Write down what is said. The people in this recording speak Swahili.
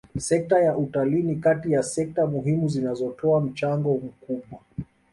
Sekta ya utalii ni kati ya sekta muhimu zinazotoa mchango mkubwa